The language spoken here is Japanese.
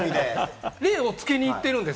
霊をつけに行ってるんです。